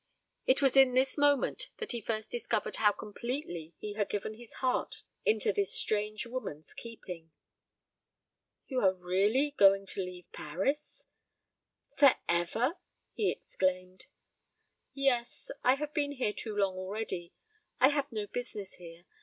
It was in this moment that he first discovered how completely he had given his heart into this strange woman's keeping. "You are really going to leave Paris? for ever?" he exclaimed. "Yes. I have been here too long already. I have no business here.